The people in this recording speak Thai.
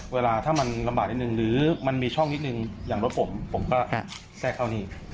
เวลาถ้ามันลำบากนิดนึงหรือมันมีช่องนิดนึงอย่างรถผมผมก็แทรกเข้านี่